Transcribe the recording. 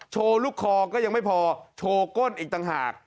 ลูกคอก็ยังไม่พอโชว์ก้นอีกต่างหาก